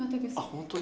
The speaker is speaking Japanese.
本当に？